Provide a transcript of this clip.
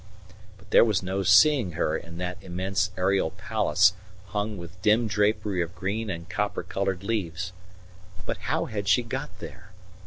But there was no seeing her in that immense aerial palace hung with dim drapery of green and copper coloured leaves. But how had she got there?